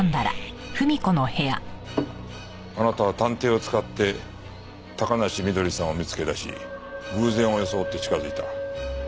あなたは探偵を使って高梨翠さんを見つけ出し偶然を装って近づいた。